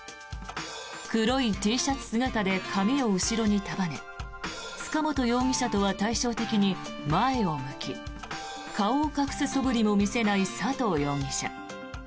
黒いＴシャツ姿で髪を後ろに束ね塚本容疑者とは対照的に前を向き顔を隠すそぶりも見せない佐藤容疑者。